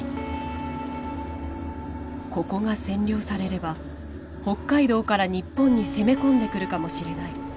ここが占領されれば北海道から日本に攻め込んでくるかもしれない。